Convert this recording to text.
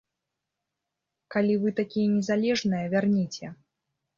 Калі вы такія незалежныя, вярніце!